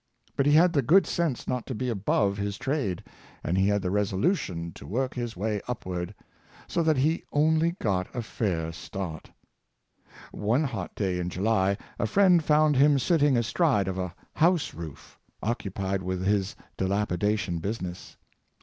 But he had the good sense not to The Necessity of Labor, 363 be above his trade, and he had the resolution to work his way upward, so that he only got a fair start. One hot day in July a friend found him sitting astride of a house roof occupied with his dilapidation business.